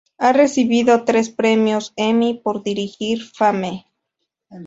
Ha recibido tres Premios Emmy por dirigir "Fame".